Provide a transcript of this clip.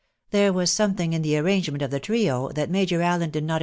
There was something* in the arrangement of the trig that Major Allen did not.